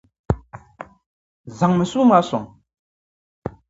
Zaŋmi sua maa sɔŋ!